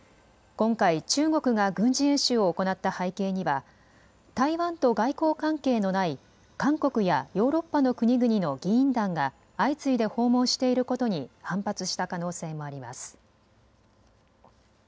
今回、中国が軍事演習を行った背景には台湾と外交関係のない韓国やヨーロッパの国々の議員団が相次いで訪問していることに反発した可能性もあります。